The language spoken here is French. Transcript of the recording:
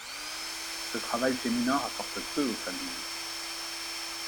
Ce travail féminin rapporte peu aux familles.